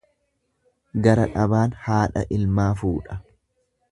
Gara dhabaan haadha ilmaa fuudha.